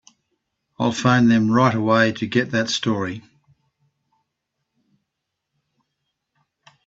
I'll phone them right away to get that story.